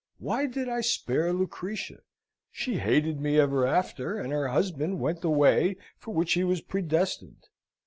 Why did I spare Lucretia? She hated me ever after, and her husband went the way for which he was predestined.